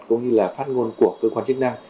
cũng như là phát ngôn của cơ quan chức năng